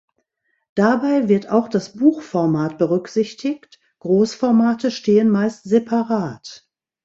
Dabei wird auch das Buchformat berücksichtigt, Großformate stehen meist separat.